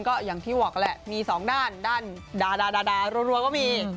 ก็อย่างที่บอกแหละมีสองด้านด้านดาดารัวก็มี